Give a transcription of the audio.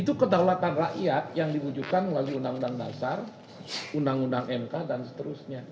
itu kedaulatan rakyat yang diwujudkan melalui undang undang dasar undang undang mk dan seterusnya